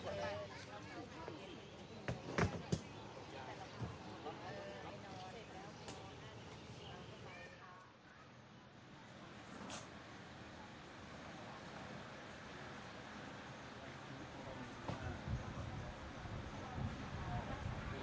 กลับมาที่นี่